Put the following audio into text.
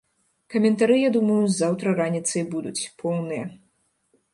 Каментары, я думаю, заўтра раніцай будуць, поўныя.